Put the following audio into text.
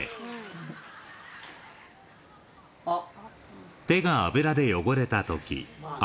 あっ。